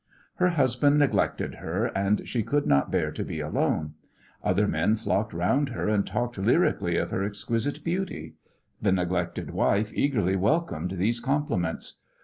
Her husband neglected her, and she could not bear to be alone. Other men flocked round her and talked lyrically of her exquisite beauty. The neglected wife eagerly welcomed these compliments.